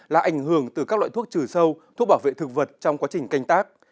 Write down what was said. là ảnh hưởng từ các loại thuốc trừ sâu thuốc bảo vệ thực vật trong quá trình canh tác